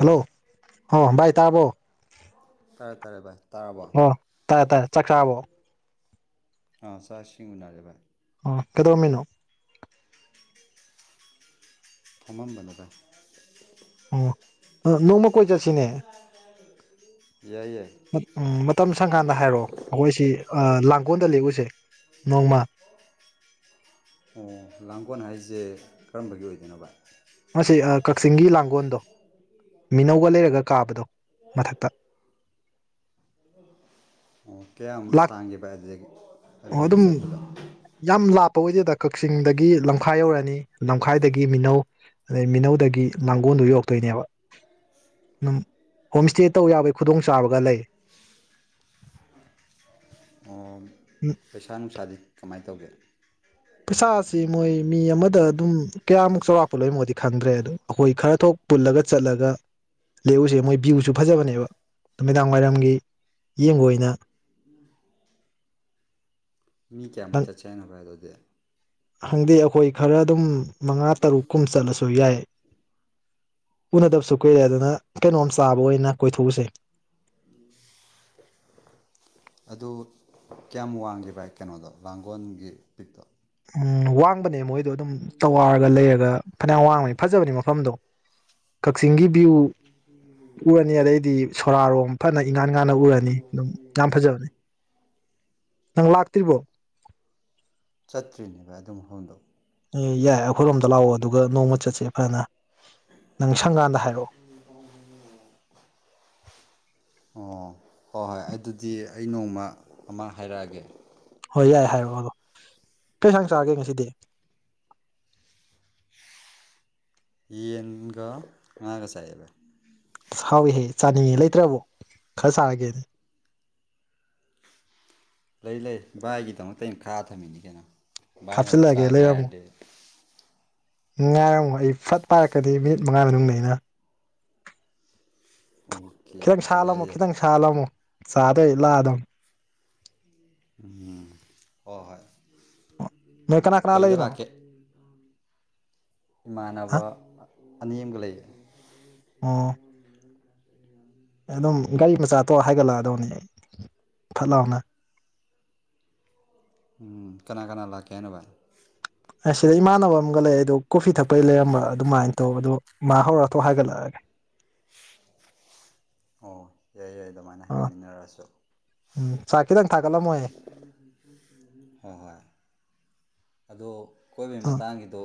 Hello ꯚꯥꯏ ꯇꯥꯕꯣ ꯇꯥꯔꯦ ꯇꯥꯔꯦ ꯚꯥꯏ ꯇꯥꯔꯕꯣ ꯑꯣ ꯇꯥꯏꯌꯦ ꯇꯥꯏꯌꯦ ꯆꯈꯥꯕꯣ ꯑꯥ ꯆꯥꯛ ꯏꯁꯤꯡ ꯎꯅꯔꯦ ꯚꯥꯏ ꯑ ꯀꯩꯗꯧꯔꯝꯃꯤꯅꯣ ꯐꯝꯃꯝꯕꯠꯇ ꯑꯣ ꯅꯣꯡꯃ ꯀꯣꯏ ꯆꯠꯁꯤꯅꯦ ꯌꯥꯏ ꯌꯥꯏ ꯎꯝ ꯃꯇꯝ ꯁꯪꯀꯥꯟꯗ ꯍꯥꯏꯔꯛꯑꯣ ꯑꯩꯈꯣꯏꯁꯤ ꯂꯥꯡ ꯀꯣꯟ ꯇ ꯂꯦꯁꯦ ꯅꯣꯡ ꯃꯥ ꯑꯣ ꯂꯥꯡꯒꯣꯜ ꯍꯥꯏꯁꯦ ꯀꯔꯝꯕꯒꯤ ꯑꯣꯏꯗꯣꯏꯅꯣꯕ ꯃꯁꯤ ꯑ ꯀꯛꯆꯤꯡꯒꯤ ꯂꯥꯡꯒꯣꯜꯗꯣ ꯃꯤꯅꯧꯒ ꯂꯩꯔꯒ ꯀꯥꯕꯗꯣ ꯃꯊꯛꯇ ꯑꯣ ꯀꯌꯥꯝ ꯂꯥꯛ ꯁꯥꯡꯒꯦꯕ ꯑꯗꯨꯗꯒꯤ ꯑꯣ ꯑꯗꯨꯗꯒꯤ ꯑꯗꯨꯝ ꯆꯠꯄꯗꯣ ꯌꯥꯝ ꯂꯥꯞꯄ ꯑꯣꯏꯗꯦꯗ ꯀꯛꯆꯤꯡꯗꯒꯤ ꯂꯝꯈꯥꯏ ꯌꯧꯔꯅꯤ ꯂꯝꯈꯥꯏꯗꯒꯤ ꯃꯤꯅꯧ ꯑꯗꯩ ꯃꯤꯅꯧꯗꯒꯤ ꯂꯥꯡꯒꯣꯣꯟꯗꯨ ꯌꯧꯔꯛꯇꯣꯏꯅꯦꯕ ꯑꯗꯨꯝ ꯍꯣꯝ ꯏꯁꯇꯦ ꯇꯧ ꯌꯥꯕꯩ ꯈꯨꯗꯣꯡ ꯆꯥꯕꯒ ꯂꯩ ꯑꯣ ꯄꯩꯁꯥ ꯅꯨꯡꯁꯥꯗꯤ ꯀꯃꯥꯏꯅ ꯇꯧꯒꯦ ꯏꯁꯥꯁꯤ ꯃꯣꯏ ꯃꯤ ꯑꯃꯗ ꯑꯗꯨꯝ ꯀꯌꯥꯃꯨꯛ ꯆꯥꯎꯔꯥꯛꯄ ꯂꯣꯏꯅ ꯃꯣꯗꯤ ꯈꯪꯗ꯭ꯔꯦ ꯑꯗꯣ ꯑꯩꯈꯣꯏ ꯈꯔ ꯊꯣꯛ ꯄꯨꯜꯂꯒ ꯆꯠꯂꯒ ꯂꯩꯎꯁꯦ ꯃꯣꯏ ꯚ꯭ꯌꯨꯁꯨ ꯐꯖꯕꯅꯦꯕ ꯅꯨꯃꯤꯗꯥꯡ ꯋꯥꯏꯔꯝꯒꯤ ꯌꯦꯡꯕ ꯑꯣꯏꯅ ꯃꯤ ꯀꯌꯥꯃꯨꯛ ꯆꯠꯁꯦ ꯍꯥꯏꯅꯣ ꯍꯥꯏꯗꯣ ꯑꯗꯨꯗꯤ ꯍꯪꯗꯤꯦ ꯑꯩꯈꯣꯏ ꯈꯔ ꯑꯗꯨꯝ ꯃꯉꯥ ꯇꯔꯨꯛ ꯀꯨꯝ ꯆꯠꯂꯁꯨ ꯌꯥꯏ ꯎꯅꯗꯕꯁꯨ ꯀꯨꯏꯔꯦ ꯑꯗꯨꯅ ꯀꯩꯅꯣꯝ ꯆꯥꯕ ꯑꯣꯏꯅ ꯀꯣꯏꯊꯣꯛꯎꯁꯦ ꯑꯗꯨ ꯀꯌꯥꯝ ꯋꯥꯡꯒꯦ ꯚꯥꯏ ꯀꯩꯅꯣꯗꯣ ꯂꯥꯡꯒꯣꯜꯒꯤ ꯄꯤꯛꯇꯣ ꯎꯝ ꯋꯥꯡꯕꯅꯦ ꯃꯣꯏ ꯑꯗꯨꯣ ꯑꯗꯨꯝ ꯆꯋꯥꯔꯒ ꯂꯩꯔꯒ ꯐꯅꯌꯥꯝ ꯋꯥꯡꯕꯅꯤ ꯐꯖꯕꯅꯤ ꯃꯐꯝꯗꯣ ꯀꯛꯆꯤꯡꯒꯤ ꯕꯤ ꯕꯤꯎ ꯎꯔꯅꯤ ꯑꯗꯩꯗꯤ ꯁꯣꯔꯥꯔꯣꯝ ꯐꯥꯅꯩ ꯏꯉꯥꯟ ꯉꯥꯟꯅ ꯎꯔꯅꯤ ꯑꯗꯨꯝ ꯌꯥꯝ ꯐꯖꯕꯅꯤ ꯅꯪ ꯂꯥꯛꯇ꯭ꯔꯤꯕꯔꯣ ꯆꯠꯇ꯭ꯔꯤꯅꯦ ꯕꯥꯏ ꯑꯗꯨ ꯃꯐꯝꯗꯣ ꯑꯦ ꯌꯥꯏ ꯑꯩꯈꯣꯏꯔꯣꯝꯗ ꯂꯥꯛꯑꯣ ꯑꯗꯨꯒ ꯅꯣꯡꯃ ꯆꯠꯁꯦ ꯐꯖꯅ ꯅꯪ ꯁꯪꯒꯥꯟꯗ ꯍꯥꯏꯔꯛꯑꯣ ꯑꯣ ꯍꯣꯏ-ꯍꯣꯏ ꯑꯗꯨꯗꯤ ꯑꯩ ꯅꯣꯡꯃ ꯑꯃ ꯍꯥꯏꯔꯛꯑꯒꯦ ꯍꯣꯏ ꯌꯥꯏ ꯍꯥꯏꯔꯛꯑꯣ ꯑꯗꯣ ꯀꯩ ꯏꯟꯁꯥꯡ ꯆꯥꯒꯦ ꯉꯁꯤꯗꯤ ꯌꯦꯟꯒꯥ ꯉꯥꯒ ꯆꯥꯏꯌꯦ ꯕꯥꯏ ꯍꯥꯎꯅꯤꯍꯦ ꯆꯥꯅꯤꯡꯉꯦ ꯂꯩꯇ꯭ꯔꯕꯣ ꯈꯔ ꯆꯥꯔꯒꯦꯅꯦ ꯂꯩ ꯂꯩ ꯚꯥꯏꯒꯤ ꯗꯃꯛꯇ ꯑꯩꯅ ꯈꯥꯑ ꯊꯝꯃꯤꯅꯤ ꯀꯩꯅꯣ ꯚꯥꯏꯅꯕꯨꯨ ꯍꯥꯞꯆꯤꯜꯂꯛꯑꯒꯦ ꯆꯥꯒꯦ ꯂꯩꯔꯝꯃꯣ ꯍꯥꯏꯔꯗꯤ ꯉꯥꯏꯔꯝꯃꯣ ꯑꯩ ꯐꯠ ꯄꯥꯏꯔꯛꯀꯅꯤ ꯃꯤꯅꯤꯠ ꯃꯉꯥꯒꯤ ꯃꯅꯨꯡꯗ ꯑꯩꯅ ꯐꯥ ꯑꯣꯀꯦ ꯈꯤꯗꯪ ꯑꯣꯀꯦ ꯁꯥꯜꯂꯝꯃꯣ ꯌꯥꯏ ꯌꯥꯏ ꯈꯤꯗꯪ ꯁꯥꯍꯜꯂꯝꯃꯨ ꯆꯥꯔꯗꯣꯏ ꯑꯩ ꯂꯥꯛꯑꯗꯣꯟ ꯎꯝ ꯍꯣꯏ-ꯍꯣꯏ ꯅꯣꯏ ꯀꯅꯥ ꯀꯅꯥ ꯀꯩꯗ ꯂꯩꯔꯤꯅꯣ ꯂꯥꯛꯀꯦ ꯍꯥ ꯏꯃꯥꯟꯅꯕ ꯑꯅꯤ ꯑꯃꯒ ꯂꯩꯌꯦ ꯑꯣ ꯑꯗꯨꯝ ꯒꯥꯔꯤ ꯃꯆꯥꯇꯣ ꯍꯥꯏꯒꯠꯂꯛꯑꯗꯣꯅꯤ ꯑꯩ ꯐꯠ ꯂꯥꯎꯅ ꯎꯨꯝ ꯀꯅꯥ ꯀꯅꯥ ꯂꯥꯛꯀꯦ ꯍꯥꯏꯅꯣ ꯚꯥꯏ ꯑ ꯁꯤꯗ ꯏꯃꯟ ꯕꯝꯒ ꯂꯩ ꯑꯗꯨ ꯀꯣꯐꯤ ꯊꯛꯄꯩ ꯂꯩꯔꯝꯕ ꯑꯗꯨꯃꯥꯏꯟ ꯇꯧꯕ ꯑꯗꯣ ꯃꯥ ꯍꯧꯔ ꯊꯣꯛ ꯍꯥꯏꯒꯠꯂꯛꯑꯒꯦ ꯑꯣ ꯌꯥꯏ ꯌꯥꯏ ꯑꯗꯨꯃꯥꯏꯅ ꯑꯥ ꯍꯥꯏꯒꯠꯃꯤꯟꯅꯔꯁꯨ ꯎꯝ ꯆꯥꯛ ꯈꯤꯇꯪ ꯊꯥꯒꯠꯂꯝꯃꯣꯍꯦ ꯍꯣꯏ-ꯍꯣꯏ ꯑꯗꯣ ꯀꯣꯏꯕꯩ ꯑꯥ ꯃꯇꯥꯡꯒꯤꯗꯣ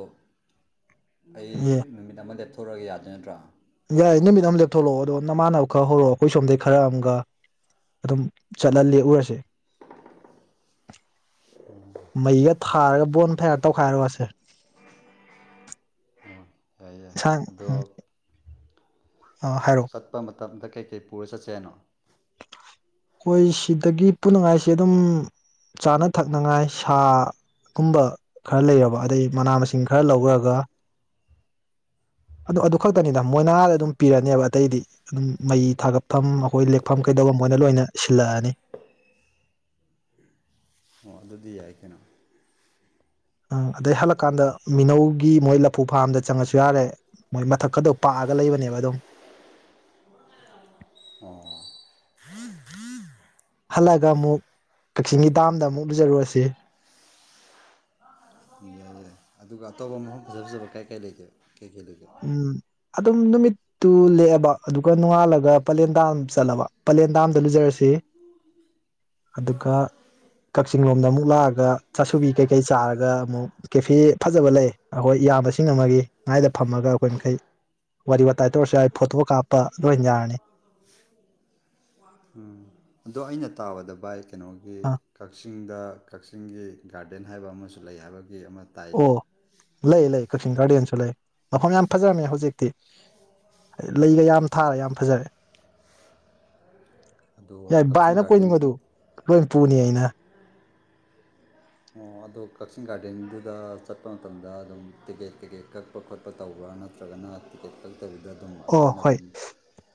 ꯑꯩ ꯑꯦ ꯅꯨꯃꯤꯠ ꯑꯃꯗ ꯊ ꯊꯣꯔꯒꯦ ꯌꯥꯗꯣꯏ ꯅꯠꯇ꯭ꯔꯥ ꯌꯥꯏ ꯅꯨꯃꯤꯠ ꯑꯃ ꯂꯦꯞꯊꯣꯛꯂꯛꯑꯣ ꯑꯗꯣ ꯅꯃꯥꯟꯅꯕ ꯈꯔ ꯍꯧꯔꯛꯑꯣ ꯑꯩꯈꯣꯏ ꯁꯣꯝꯗꯩ ꯈꯔ ꯑꯃꯒ ꯑꯗꯨꯝ ꯆꯠꯂ ꯂꯦꯛꯎꯨꯔꯁꯦ ꯃꯩꯒ ꯊꯥꯔꯒ ꯕꯣꯟ ꯐꯥꯌꯥꯔ ꯇꯧꯈꯥꯏꯔꯨꯔꯁꯦ ꯌꯥꯏ-ꯌꯥꯏ ꯑꯗꯣ ꯑ-ꯍꯥꯏꯔꯣ ꯆꯠꯄ ꯃꯇꯝꯗ ꯀꯩ-ꯀꯩ ꯄꯨꯔ ꯆꯠꯁꯦ ꯍꯥꯏꯅꯣ ꯑꯩꯈꯣꯏ ꯁꯤꯗꯒꯤ ꯄꯨꯅꯤꯡꯉꯥꯏꯁꯤ ꯑꯗꯨꯝ ꯆꯥꯅ ꯊꯛꯅꯉꯥꯏ ꯁꯥꯒꯨꯝꯕ ꯈꯔ ꯂꯩꯔꯕ ꯑꯗꯩ ꯃꯅꯥ ꯃꯁꯤꯡ ꯈꯔ ꯂꯧꯒ꯭ꯔꯒ ꯑꯗꯨ ꯑꯗꯨ ꯈꯛꯇꯅꯤꯗ ꯃꯣꯏꯅ ꯑꯥꯗ ꯑꯗꯨꯝ ꯄꯤꯔꯅꯦꯕ ꯑꯇꯩꯗꯤ ꯑꯗꯨꯝ ꯃꯩ ꯊꯥꯒꯠꯐꯝ ꯑꯩꯈꯣꯏ ꯂꯦꯛꯐꯝ ꯀꯩꯗꯧꯕꯝ ꯃꯣꯏꯅ ꯂꯣꯏꯅ ꯁꯤꯂꯛꯑꯅꯤ ꯑꯣ ꯑꯗꯨꯗꯤ ꯌꯥꯏ ꯀꯩꯅꯣ- ꯑꯪ ꯑꯗꯩ ꯍꯜꯂꯛꯀꯥꯟꯗ ꯃꯤꯅꯧꯒꯤ ꯃꯣꯏ ꯂꯐꯨ ꯐꯥꯔꯝꯗ ꯆꯪꯉꯛꯑꯁꯨ ꯌꯥꯔꯦ ꯃꯣꯏ ꯃꯊꯛ ꯀꯥꯗꯣ ꯄꯥꯛꯑꯒ ꯂꯩꯕꯅꯦꯕ ꯑꯗꯨꯝ ꯑꯣ ꯍꯜꯂꯛꯑꯒ ꯑꯃꯨꯛ ꯀꯛꯆꯤꯡꯒꯤ ꯗꯥꯝꯗ ꯑꯃꯨꯛ ꯎꯖꯔꯨꯔꯁꯤ ꯌꯥꯏ ꯌꯥꯏ ꯑꯗꯨꯒ ꯑꯇꯣꯞꯄ ꯃꯐꯝ ꯐꯖ ꯐꯖꯕ ꯀꯥꯏ ꯀꯥꯏ ꯂꯩꯒꯦ ꯀꯥꯏ ꯀꯥꯏ ꯂꯩꯒꯦ ꯎꯝ ꯑꯗꯨꯝ ꯅꯨꯃꯤꯠꯇꯨ ꯂꯦꯛꯑꯕ ꯑꯗꯨꯒ ꯅꯣꯡꯉꯥꯜꯂꯒ ꯄꯂꯦꯟ ꯗꯥꯝꯗ ꯆꯠꯂꯕ ꯄꯂꯦꯟ ꯗꯥꯝꯗ ꯂꯨꯖꯔꯁꯤ ꯑꯗꯨꯒ ꯀꯛꯆꯤꯡ ꯂꯣꯝꯗ ꯑꯃꯨꯛ ꯂꯥꯛꯑꯒ ꯆꯥꯁꯨꯕꯤ ꯀꯩ-ꯀꯩ ꯆꯥꯔꯒ ꯑꯃꯨꯛ ꯀꯦꯐꯦ ꯐꯖꯕ ꯂꯩ ꯑꯩꯈꯣꯏ ꯏꯌꯥꯝꯕꯁꯤꯡ ꯑꯃꯒꯤ ꯃꯥꯏꯗ ꯐꯝꯃꯒ ꯑꯩꯈꯣꯏ ꯃꯈꯩ ꯋꯥꯔꯤ ꯋꯥꯇꯥꯏ ꯇꯧꯔꯁꯨ ꯌꯥꯏ ꯐꯣꯇꯣ ꯀꯥꯞꯄ ꯂꯣꯏ ꯌꯥꯔꯅꯤ ꯑꯗꯣ ꯑꯩꯅ ꯇꯥꯕꯗ ꯕꯥꯏ ꯀꯩꯅꯣꯒꯤ ꯑꯥ ꯀꯛꯆꯤꯡꯗ ꯀꯛꯆꯤꯡꯒꯤ ꯒꯥꯔꯗꯦꯟ ꯍꯥꯏꯕ ꯑꯃꯁꯨ ꯂꯩ ꯍꯥꯏꯕ꯭ꯔꯥ ꯒꯤ ꯑꯃ ꯇꯥꯏꯅꯦ ꯂꯩ-ꯂꯩ ꯀꯛꯆꯤꯡ ꯒꯥꯔꯗꯦꯟꯁꯨ ꯂꯩ ꯃꯐꯝ ꯌꯥꯝ ꯐꯖꯔꯝꯃꯤ ꯍꯧꯖꯤꯛꯇꯤ ꯂꯩꯒ ꯌꯥꯝ ꯊꯥꯔꯥ ꯌꯥꯝ ꯐꯖꯔꯦ ꯑꯗꯣ ꯌꯥꯏ ꯀꯛꯆꯤꯡ ꯚꯥꯏꯅ ꯒꯥꯔꯗꯦꯟ ꯀꯣꯏꯅꯤꯡꯕꯗꯨ ꯂꯣꯏꯟ ꯄꯨꯅꯤ ꯑꯩꯅ ꯑꯣ ꯑꯗꯣ ꯀꯛꯆꯤꯡ ꯒꯥꯔꯗꯦꯟꯗꯨꯗ ꯆꯠꯄ ꯃꯇꯝꯗ ꯑꯗꯨꯝ ꯇꯤꯛꯀꯦꯠ ꯀꯩ-ꯀꯩ ꯀꯛꯄ ꯈꯣꯠꯄ ꯇꯧꯕ꯭ꯔꯥ ꯅꯠꯇ꯭ꯔꯒꯅ ꯇꯤꯛꯀꯦꯠ ꯀꯛ ꯅꯠꯇꯕꯤꯗ ꯑꯗꯨꯝ ꯑꯣ ꯑꯈꯣꯏꯅ ꯍꯣꯏ ꯑꯗꯨꯝ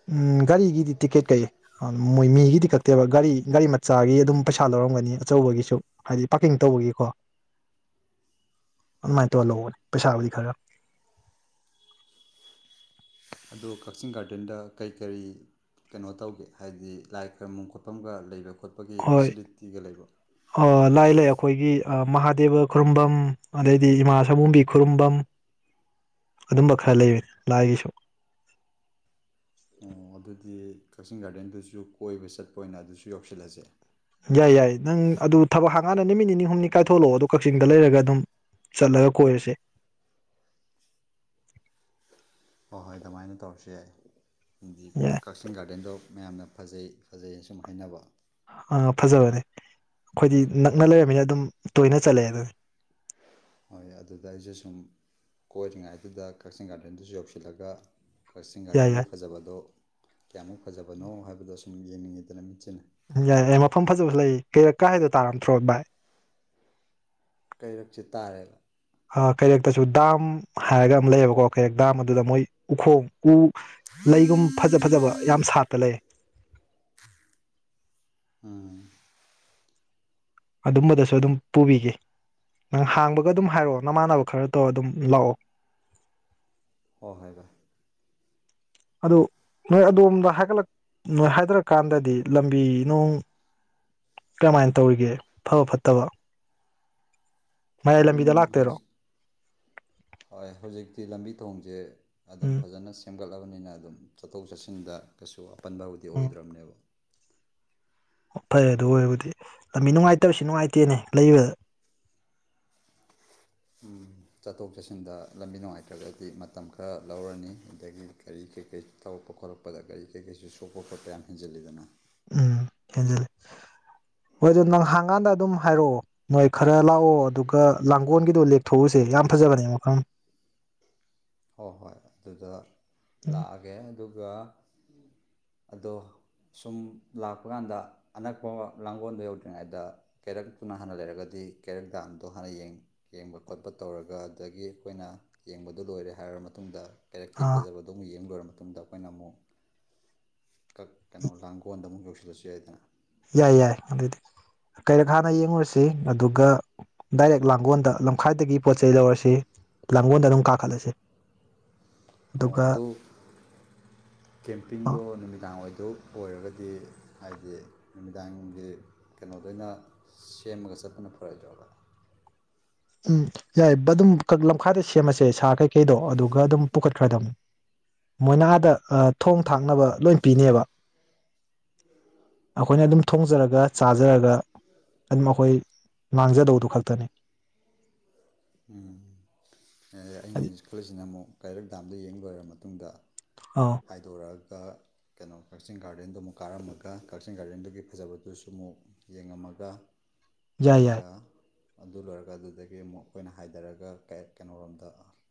ꯎꯝ ꯒꯥꯔꯤꯒꯤꯗꯤ ꯇꯤꯛꯀꯦꯠ ꯀꯛꯏ ꯃꯣꯏ ꯃꯤꯒꯤꯗꯤ ꯀꯛꯇꯦꯕ ꯒꯥꯔꯤ ꯒꯥꯔꯤ ꯃꯆꯥꯒꯤ ꯑꯗꯨꯝ ꯄꯩꯁꯥ ꯂꯧꯔꯝꯒꯅꯤ ꯑꯆꯧꯕꯒꯤꯁꯨ ꯍꯥꯏꯗꯤ ꯄꯥꯔꯀꯤꯡ ꯇꯧꯕꯒꯤꯀꯣ ꯑꯗꯨꯃꯥꯏꯅ ꯇꯧꯔ ꯂꯧꯕꯅꯤ ꯄꯩꯁꯥꯕꯨꯗꯤ ꯈꯔ ꯑꯗꯣ ꯀꯛꯆꯤꯡ ꯒꯥꯔꯗꯦꯟꯗ ꯀꯔꯤ-ꯀꯔꯤ ꯀꯩꯅꯣ ꯇꯧꯒꯦ ꯍꯥꯏꯗꯤ ꯂꯥꯏ ꯈꯔꯨꯡꯕꯝ ꯈꯣꯠꯐꯝꯒ ꯂꯩꯕ ꯈꯣꯠꯄꯒꯤ ꯍꯣꯏ ꯐꯦꯁꯤꯂꯤꯇꯤꯒ ꯂꯩꯕ꯭ꯔꯣ ꯑꯥ ꯂꯥꯏ ꯂꯩ ꯑꯩꯈꯣꯏꯒꯤ ꯃꯍꯥ ꯗꯦꯕ ꯈꯨꯔꯨꯝꯕꯝ ꯑꯗꯩꯗꯤ ꯏꯃꯥ ꯁꯝꯕꯨꯕꯤ ꯈꯨꯔꯨꯝꯕꯝ ꯑꯗꯨꯝꯕ ꯈꯔ ꯂꯩ ꯂꯥꯏꯒꯤꯁꯨ ꯑꯣ ꯑꯗꯨꯗꯤ ꯀꯛꯆꯤꯡ ꯒꯥꯔꯗꯦꯟꯗꯨꯁꯨ ꯀꯣꯏꯕ ꯆꯠꯄ ꯑꯣꯏꯅ ꯑꯗꯨꯁꯨ ꯌꯧꯁꯤꯜꯂꯁꯦ ꯌꯥꯏ ꯌꯥꯏ ꯅꯪ ꯑꯗꯨ ꯊꯕꯛ ꯍꯥꯡꯒꯥꯟꯗ ꯅꯨꯃꯤꯠ ꯅꯤꯅꯤ ꯍꯨꯝꯅꯤ ꯀꯥꯏꯊꯣꯛꯂꯛꯑꯣ ꯑꯗꯣ ꯀꯛꯆꯤꯡꯗ ꯂꯩꯔꯒ ꯑꯗꯨꯝ ꯆꯠꯂꯒ ꯀꯣꯏꯔꯁꯦ ꯍꯣꯏ-ꯍꯣꯏ ꯑꯗꯨꯃꯥꯏꯅ ꯇꯧꯔꯁꯨ ꯌꯥꯏ ꯑꯩꯗꯤ ꯌꯥꯏ ꯀꯛꯆꯤꯡ ꯒꯥꯔꯗꯦꯟꯗꯣ ꯃꯌꯥꯝꯅ ꯐꯖꯩ-ꯐꯖꯩꯅ ꯁꯨꯝ ꯍꯥꯏꯅꯕ ꯑꯥ- ꯐꯖꯕꯅꯦ ꯑꯩꯈꯣꯏꯗꯤ ꯅꯛꯅ ꯑꯗꯨꯗ ꯂꯩꯔꯕꯅꯤꯅ ꯑꯗꯨꯝ ꯇꯣꯏꯅ ꯆꯠꯂꯦ ꯑꯗꯨꯅꯤ ꯍꯣꯏ ꯑꯗꯨꯗ ꯑꯩꯁꯨ ꯁꯨꯝ ꯀꯣꯏꯔꯤꯉꯥꯏꯗꯨꯗ ꯀꯛꯆꯤꯡ ꯒꯥꯔꯗꯦꯟꯗꯨꯁꯨ ꯌꯧꯁꯤꯜꯂꯒ ꯀꯛꯆꯤꯡ ꯌꯥꯏ ꯒꯥꯔꯗꯦꯟꯒꯤ ꯌꯥꯏ ꯐꯖꯕꯗꯣ ꯀꯌꯥꯃꯨꯛ ꯐꯖꯕꯅꯣ ꯍꯥꯏꯕꯗꯣ ꯁꯨꯝ ꯌꯦꯡꯅꯤꯡꯉꯤꯗꯅ ꯃꯤꯠꯁꯤꯅ ꯌꯥꯏ-ꯌꯥꯏ ꯃꯐꯝ ꯐꯖꯕꯁꯨ ꯂꯩ ꯀꯩꯔꯛ ꯀꯥ ꯍꯥꯏꯗꯣ ꯇꯥꯔꯕ ꯅꯠꯊ꯭ꯔꯣ ꯚꯥꯏ ꯀꯩꯔꯛꯁꯤ ꯇꯥꯔꯦ ꯑꯥ ꯀꯩꯔꯦꯛꯇꯁꯨ ꯗꯥꯝ ꯍꯥꯏꯔꯒ ꯑꯃ ꯂꯩꯌꯦꯕꯀꯣ ꯀꯩꯔꯦꯛ ꯗꯥꯝ ꯑꯗꯨꯗ ꯃꯣꯏ ꯎꯈꯣꯡ ꯎ ꯂꯩꯒꯨꯝ ꯐꯖ-ꯐꯖꯕ ꯌꯥꯝ ꯁꯥꯠꯄ ꯂꯩ ꯎꯨꯝ ꯑꯗꯨꯝꯕꯗꯁꯨ ꯑꯗꯨꯝ ꯄꯨꯕꯤꯒꯦ ꯅꯪ ꯍꯥꯡꯕꯒ ꯑꯗꯨꯝ ꯍꯥꯏꯔꯛꯑꯣ ꯅꯃꯥꯟꯅꯕ ꯈꯔ ꯇꯧꯔ ꯑꯗꯨꯝ ꯂꯥꯛꯑꯣ ꯍꯣꯏ-ꯍꯣꯏ ꯚꯥꯏ ꯑꯗꯨ ꯅꯣꯏ ꯑꯗꯣꯝꯗ ꯍꯥꯏꯒꯠꯂꯛ-ꯅꯣꯏ ꯍꯥꯏꯗꯔꯀꯥꯟꯗꯗꯤ ꯂꯝꯕꯤ ꯅꯨꯡ ꯀꯃꯥꯏꯅ ꯇꯧꯔꯤꯒꯦ ꯐꯕ ꯐꯠꯇꯕ ꯃꯌꯥꯏ ꯑꯗꯨꯝ ꯂꯝꯕꯤꯗ ꯂꯥꯛꯇꯣꯏꯔꯣ? ꯍꯧꯖꯤꯛ ꯍꯣꯏ ꯍꯧꯖꯤꯛꯇꯤ ꯂꯝꯕꯤ ꯊꯣꯡꯁꯦ- ꯑꯗꯨꯝ ꯎꯝ ꯐꯖꯅ ꯁꯦꯝ ꯒꯠꯂꯕꯅꯤꯅ ꯑꯗꯨꯝ ꯆꯠꯊꯣꯛ ꯆꯠꯁꯤꯟꯗ ꯀꯩꯁꯨ ꯑꯄꯟ ꯐꯕꯨꯗꯤ ꯑꯣꯏꯗ꯭ꯔꯕꯅꯦꯕ ꯑꯣ ꯐꯔꯦ ꯑꯗꯨ ꯑꯣꯏꯔꯕꯨꯗꯤ ꯂꯝꯕꯤ ꯅꯨꯡꯉꯥꯏꯇꯕꯁꯨ ꯅꯨꯡꯉꯥꯏꯇꯦꯅꯦ ꯂꯩꯕꯗ ꯆꯠꯊꯣꯛ ꯆꯠꯁꯤꯟꯗ ꯂꯝꯕꯤ ꯅꯨꯡꯉꯥꯏꯇ꯭ꯔꯒꯗꯤ ꯃꯇꯝ ꯈꯔ ꯂꯧꯔꯅꯤ ꯑꯗꯒꯤ ꯒꯥꯔꯤ ꯀꯔꯤꯀꯩ ꯇꯧꯔꯛꯄ ꯈꯣꯠꯂꯛꯄꯗ ꯒꯥꯔꯤ ꯀꯔꯤ ꯀꯩꯁꯨ ꯁꯣꯛꯄ ꯈꯣꯠꯄ ꯌꯥꯝ ꯍꯦꯟꯖꯤꯜꯂꯤꯗꯅ ꯎꯝ ꯍꯦꯟꯖꯤꯜꯂꯤ ꯍꯣꯏ ꯑꯗꯨ ꯅꯪꯍꯥꯡꯀꯥꯟꯗ ꯑꯗꯨꯝ ꯍꯥꯏꯔꯛꯑꯣ ꯅꯣꯏ ꯈꯔ ꯂꯥꯛꯑꯣ ꯑꯗꯨꯒ ꯂꯥꯡꯒꯣꯜꯒꯤꯗꯣ ꯂꯦꯛꯊꯣꯛꯎꯁꯦ ꯌꯥꯝ ꯐꯖꯕꯅꯦ ꯃꯐꯝ ꯍꯣꯏ ꯍꯣꯏ ꯑꯗꯨꯗ ꯂꯥꯛꯑꯒꯦ ꯑꯗꯨꯒ ꯑꯗꯣ ꯁꯨꯝ ꯂꯥꯛꯄ ꯀꯥꯟꯗ ꯑꯅꯛꯄ ꯂꯥꯡꯒꯣꯜꯗꯣ ꯌꯧꯗ꯭ꯔꯤꯉꯩꯗ ꯀꯦꯔꯛꯇꯨꯅ ꯍꯥꯟꯅ ꯂꯩꯔꯒꯗꯤ ꯀꯦꯔꯛ ꯗꯥꯝꯗꯣ ꯍꯥꯟꯅ ꯌꯦꯡꯕ ꯈꯣꯠꯄ ꯇꯧꯔꯒ ꯑꯗꯨꯗꯒꯤ ꯑꯩꯈꯣꯏꯅ ꯌꯦꯡꯕꯗꯣ ꯂꯣꯏꯔꯦ ꯊꯔꯕ ꯃꯇꯨꯡꯗ ꯀꯥꯏꯔꯛꯇꯤ ꯑꯥ ꯐꯖꯕꯗꯧꯝ ꯌꯦꯡ ꯂꯣꯏꯔꯝꯃꯦ ꯃꯇꯨꯡꯗ ꯑꯩꯈꯣꯏꯅ ꯑꯃꯨꯛ ꯀꯛ ꯀꯩꯅꯣ ꯂꯥꯡꯒꯣꯟꯗ ꯑꯃꯨꯛ ꯌꯧꯁꯤꯟꯂꯦ ꯑꯗꯨꯂꯁꯤ ꯌꯥ ꯍꯥꯏꯗ ꯌꯥꯏ ꯌꯥꯏ ꯑꯗꯨꯗꯤ ꯀꯩꯔꯛ ꯍꯥꯟꯅ ꯌꯦꯡꯉꯨꯔꯁꯤ ꯑꯗꯨꯒ ꯗꯥꯏꯔꯦꯛ ꯂꯥꯡꯒꯣꯜꯗ ꯂꯝꯈꯥꯏꯗꯒꯤ ꯄꯣꯠ ꯆꯩ ꯂꯧꯔꯁꯤ ꯂꯥꯡꯒꯣꯜꯗ ꯑꯗꯨꯝ ꯀꯥꯈꯠꯂꯁꯤ ꯑꯣ ꯑꯗꯨꯒ ꯑꯗꯨ ꯀꯦꯝꯄꯤꯡꯗꯣ ꯅꯨꯃꯤꯗꯥꯡ ꯑꯣꯏꯗ ꯑꯣꯏꯔꯒꯗꯤ ꯍꯥꯏꯗꯤ ꯅꯨꯃꯤꯗꯥꯡꯝꯒꯤ ꯀꯩꯅꯣꯗ ꯑꯣꯏꯅ ꯁꯦꯝꯃꯒ ꯆꯠꯇꯄꯅ ꯐꯔꯛꯏꯗꯕ ꯎꯝ ꯌꯥꯏ ꯑꯗꯨꯝ ꯂꯝꯈꯥꯏꯗ ꯁꯦꯝꯃꯁꯦ ꯁꯥ ꯀꯩꯀꯩꯗꯣ ꯑꯗꯨꯒ ꯑꯗꯨꯝ ꯄꯨꯈꯠꯈ꯭ꯔꯗꯕꯅꯤ ꯃꯣꯏꯅꯥꯗ ꯊꯣꯡ ꯊꯥꯛꯅꯕ ꯂꯣꯏ ꯄꯤꯅꯦꯕ ꯑꯩꯈꯣꯏꯅ ꯑꯗꯨꯝ ꯊꯣꯡꯖꯔꯒ ꯆꯥꯖꯔꯒ ꯑꯗꯨꯝ ꯑꯩꯈꯣꯏ ꯃꯥꯡꯖꯗꯧꯗꯨ ꯈꯛꯇꯅꯤ ꯎꯝ ꯑꯩꯅ ꯍꯥꯏꯗꯤ ꯍꯧꯖꯤꯛ ꯈꯂꯁꯤꯅ ꯑꯃꯨꯛ ꯀꯩꯔꯛ ꯗꯥꯝꯗ ꯌꯦꯡꯕꯣꯏꯔꯕ ꯑꯗꯨ ꯃꯇꯨꯡꯗ ꯑꯥꯎ ꯍꯥꯏꯗꯣꯔꯑꯒ ꯀ ꯀꯩꯅꯣ ꯀꯛꯆꯤꯡ ꯒꯥꯔꯗꯦꯟꯗꯨ ꯑꯃꯨꯛ ꯀꯥꯔꯝꯃꯒ ꯀꯛꯆꯤꯡ ꯒꯥꯔꯗꯦꯟꯗꯨꯒꯤ ꯐꯖꯕꯗꯨꯁꯨ ꯑꯃꯨꯛ ꯌꯦꯡꯉꯝꯃꯒ ꯌꯥꯏ ꯌꯥꯏ ꯑꯗꯨꯀ ꯑꯗꯨ ꯂꯣꯏꯔꯒ ꯑꯗꯨꯗꯒꯤ ꯑꯃꯨꯛ ꯑꯩꯈꯣꯏꯅ ꯍꯥꯏꯊꯔꯒ ꯀꯩꯅꯣꯣꯔꯣꯝꯗ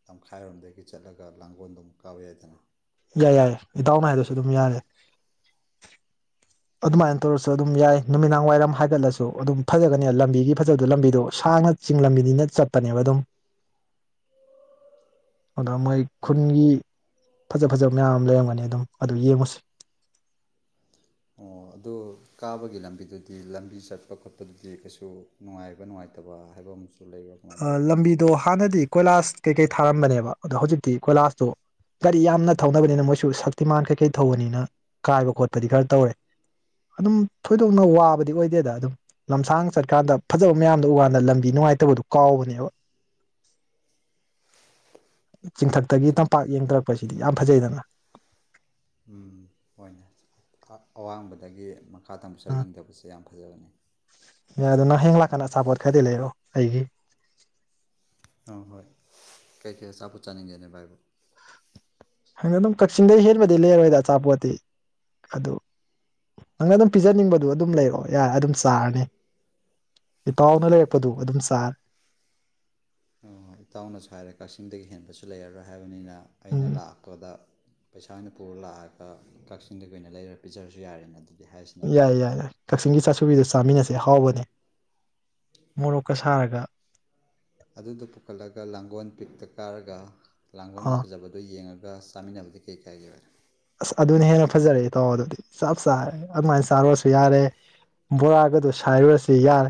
ꯇꯈꯥꯏꯔꯣꯝꯗꯒꯤ ꯆꯠꯂꯒ ꯂꯥꯡꯒꯣꯜꯗꯣ ꯑꯃꯨꯛ ꯀꯥꯎꯋ ꯌꯥꯏꯗꯅ ꯌꯥꯏ ꯌꯥꯏ ꯏꯇꯥꯎꯅꯅꯥ ꯍꯥꯏꯗꯁꯨ ꯑꯗꯨꯝ ꯌꯥꯔꯦ ꯑꯗꯨꯃꯥꯏꯅ ꯇꯧꯔꯁꯨ ꯑꯗꯨꯝ ꯌꯥꯏ ꯅꯨꯃꯤꯗꯥꯡ ꯋꯥꯏꯔꯝ ꯍꯥꯏꯒꯠꯂꯁꯨ ꯑꯗꯨꯝ ꯐꯖꯒꯅꯦ ꯂꯝꯕꯤꯒꯤ ꯐꯖꯕꯗꯣ ꯂꯝꯕꯤꯗꯣ ꯁꯥꯡꯅ ꯆꯤꯡ ꯂꯝꯕꯤꯅꯤꯅ ꯆꯠꯄꯅꯦꯕ ꯑꯗꯨꯝ ꯑꯗ ꯃꯣꯏ ꯈꯨꯟꯒꯤ ꯐꯖ ꯐꯖꯕ ꯃꯌꯥꯝ ꯑꯃ ꯂꯩꯔꯝꯒꯅꯤ ꯑꯗꯨꯝ ꯑꯗꯨ ꯌꯦꯡꯉꯨꯁꯤ ꯑꯣ ꯑꯗꯨ ꯀꯥꯕꯒꯤ ꯂꯝꯕꯤꯗꯨꯗꯤ ꯂꯝꯕꯤ ꯆꯠꯄ ꯈꯣꯠꯄꯗꯨꯗꯤ ꯀꯩꯁꯨ ꯅꯨꯡꯉꯥꯏꯕ ꯅꯨꯡꯉꯥꯏꯇꯕ ꯍꯥꯏꯕ ꯑꯃ ꯑ ꯂꯝꯕꯤꯗꯣ ꯍꯥꯟꯅꯗꯤ ꯀꯣꯏꯂꯥꯁ ꯀꯩꯀꯩ ꯊꯥꯔꯝꯕꯅꯦꯕ ꯑꯗꯣ ꯍꯧꯖꯤꯛꯇꯤ ꯀꯣꯏꯂꯥꯁꯇꯣ ꯒꯥꯔꯤ ꯌꯥꯝꯅ ꯊꯧꯅꯕꯅꯤꯅ ꯃꯣꯏꯁꯨ ꯁꯛꯇꯤꯃꯥꯟ ꯀꯩꯀꯩ ꯊꯧꯕꯅꯤꯅ ꯀꯥꯏꯕ ꯈꯣꯠꯄꯗꯤ ꯈꯔ ꯇꯧꯔꯦ ꯑꯗꯨꯝ ꯊꯣꯏꯗꯣꯛꯅ ꯋꯥꯕꯗꯤ ꯑꯣꯏꯗꯦꯗ ꯑꯗꯨꯝ ꯂꯝꯁꯥꯡ ꯆꯠꯀꯥꯟꯗ ꯐꯖꯕ ꯃꯌꯥꯝꯗ ꯎꯀꯥꯟꯗ ꯂꯝꯕꯤ ꯅꯨꯡꯉꯥꯏꯇꯕꯗꯣ ꯀꯥꯎꯕꯅꯦꯕ ꯆꯤꯡꯊꯛꯇꯒꯤ ꯇꯝꯄꯥꯛ ꯌꯦꯡꯊꯔꯛꯄꯁꯤꯗꯤ ꯌꯥꯝ ꯐꯖꯩꯗꯅ ꯑꯥꯡꯕꯗꯒꯤ ꯃꯈꯥ ꯇꯝꯕ ꯁꯔꯨꯛ ꯌꯦꯡꯊꯕꯁꯦ ꯌꯥꯝ ꯐꯖꯕꯅꯤ ꯌꯥ ꯑꯗꯨꯅ ꯍꯦꯡꯂꯛꯀꯥꯟꯗ ꯑ ꯁꯥꯄꯣꯠ ꯈꯗꯤ ꯂꯩꯑꯣ ꯑꯩꯒꯤ ꯑ ꯍꯣꯏ ꯀꯩꯀꯩ ꯑꯆꯥꯄꯣꯠ ꯆꯥꯅꯤꯡꯒꯦꯅꯦ ꯚꯥꯏꯕꯨ ꯅꯪ ꯑꯗꯨꯝ ꯀꯛꯆꯤꯡꯗꯩ ꯍꯦꯟꯕꯗꯤ ꯂꯩꯔꯣꯏꯗ ꯑꯆꯥꯄꯣꯠꯇꯤ ꯑꯗꯨ ꯅꯪꯅ ꯑꯗꯨꯝ ꯄꯤꯖꯅꯤꯡꯕꯗꯨꯣ ꯑꯗꯨꯝ ꯂꯩꯔꯛꯑꯣ ꯌꯥꯔꯦ ꯑꯗꯨꯝ ꯆꯥꯔꯅꯤ ꯏꯄꯥꯎꯅ ꯂꯩꯔꯛꯄꯗꯨꯣ ꯑꯗꯨꯝ ꯁꯥꯔ ꯑꯣ ꯏꯇꯥꯎꯅꯁꯨ ꯍꯥꯏꯔꯦ ꯀꯛꯆꯤꯡꯗꯒꯤ ꯍꯦꯟꯕꯁꯨ ꯂꯩꯔꯔꯣꯏ ꯍꯥꯏꯕꯅꯤꯅ ꯑꯩꯅ ꯎꯝ ꯂꯥꯛꯄꯗ ꯄꯩꯁꯥ ꯑꯣꯏꯅ ꯄꯨꯔ ꯂꯥꯛꯑꯒ ꯀꯛꯆꯤꯡꯗꯒꯤ ꯑꯣꯏꯅ ꯂꯩꯔ ꯄꯤꯖꯔꯁꯨ ꯌꯥꯔꯦꯅ ꯑꯗꯨ ꯌꯥꯏꯌꯦ ꯌꯥꯏ ꯌꯥꯏ ꯀꯛꯆꯤꯡꯒꯤ ꯆꯥꯁꯨꯕꯤꯗ ꯆꯥꯃꯤꯟꯅꯁꯦ ꯑꯍꯥꯎꯕꯅꯦ ꯃꯣꯔꯣꯛꯀ ꯁꯥꯔꯒ ꯑꯗꯨꯗ ꯄꯨꯈꯠꯂꯒ ꯂꯥꯡꯒꯣꯜ ꯄꯤꯛꯇ ꯀꯥꯔꯒ ꯂꯥꯡꯒꯣꯜꯒꯤ ꯑꯥ ꯐꯖꯕꯗꯣ ꯌꯦꯡꯉꯒ ꯑꯗꯨꯒ ꯆꯥꯃꯤꯟꯅꯕꯗꯤ ꯀꯩ ꯀꯥꯏꯒꯦ ꯍꯥꯏꯔꯦ ꯑꯁ ꯑꯗꯨꯅ ꯍꯦꯟꯅ ꯐꯖꯔꯛꯑꯦ ꯇꯥꯎꯑꯣ ꯑꯗꯨꯗꯤ ꯆꯞ ꯆꯥꯔꯦ ꯑꯗꯨꯃꯥꯏꯅ ꯆꯥꯔꯨꯔꯁꯨ ꯌꯥꯔꯦ ꯕꯣꯔꯥꯒꯗꯨ ꯁꯥꯏꯔꯨꯔꯁꯨ ꯌꯥꯔꯦ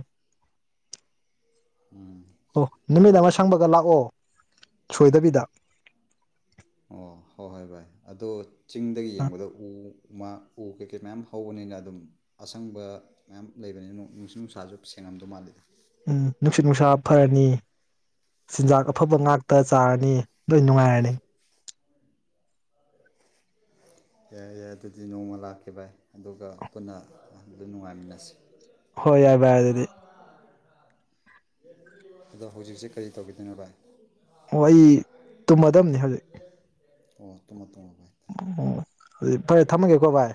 ꯑꯣ ꯅꯨꯃꯤꯠ ꯑꯗꯣ ꯑꯃ ꯁꯪꯕꯒ ꯂꯥꯛꯑꯣ ꯁꯣꯏꯗꯕꯤꯗ ꯑꯣ ꯍꯣꯏ ꯍꯣꯏ ꯚꯥꯏ ꯑꯣ ꯆꯤꯡꯗꯒꯤ ꯑꯥ ꯌꯦꯡꯕꯗ ꯎ ꯎ ꯀꯩ ꯀꯩ ꯃꯌꯥꯝ ꯍꯧꯕꯅꯤꯅ ꯑꯗꯨꯝ ꯑꯁꯪꯕ ꯃꯌꯥꯝ ꯂꯩꯕꯅꯤꯅ ꯅꯨꯡꯁꯨꯠ ꯅꯨꯡꯁꯥꯁꯨ ꯁꯦꯡꯉꯝꯗꯧ ꯃꯥꯜꯂꯤꯗ ꯎꯝ ꯅꯨꯡꯁꯤꯠ ꯅꯨꯡꯁꯥ ꯐꯔꯅꯤ ꯆꯤꯟꯖꯥꯛ ꯑꯐꯕ ꯉꯥꯛꯇ ꯆꯥꯔꯅꯤ ꯂꯣꯏ ꯅꯨꯡꯉꯥꯏꯔꯅꯤ ꯌꯥꯏ ꯌꯥꯏ ꯑꯗꯨꯗꯤ ꯅꯣꯡꯃ ꯂꯥꯛꯀ ꯚꯥꯏ ꯑꯗꯨꯒ ꯄꯨꯟꯅ ꯑꯗꯨ ꯅꯨꯡꯉꯥꯏꯃꯤꯟꯅꯁꯤ ꯍꯣꯏ ꯌꯥꯏ ꯚꯔ ꯑꯗꯨꯗꯤ ꯑꯗꯣ ꯍꯧꯖꯤꯛꯁꯦ ꯀꯔꯤ ꯇꯧꯈꯤꯗꯣꯏꯅꯣ ꯚꯥꯏ ꯍꯣꯏ ꯑꯩ ꯇꯨꯝꯃꯗꯕꯅꯤ ꯑꯣ ꯇꯃꯣ ꯇꯃꯣ ꯑꯣ ꯑꯗꯨꯗꯤ ꯐꯔꯦ ꯊꯝꯃꯒꯦꯀꯣ ꯚꯥꯏ